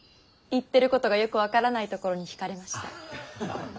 言ってることがよく分からないところに引かれました。